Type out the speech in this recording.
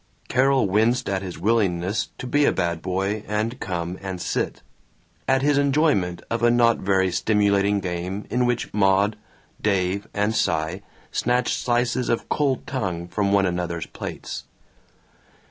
Carol winced at his willingness to be a bad boy and come and sit, at his enjoyment of a not very stimulating game in which Maud, Dave, and Cy snatched slices of cold tongue from one another's plates.